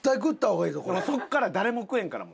もうそこから誰も食えんから。